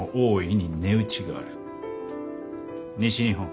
西日本